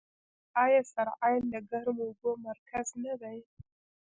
آیا سرعین د ګرمو اوبو مرکز نه دی؟